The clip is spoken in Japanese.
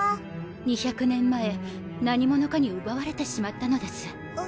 ２００年前何者かに奪われてしまったのです。